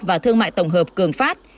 và thương mại tổng hợp cường phát